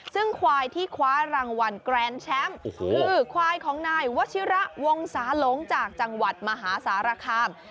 ซึ่งควายที่คว้ารางวัลแกรนแชมป์คือควายของนายวชิระวงศาหลงจากจังหวัดมหาสารคาม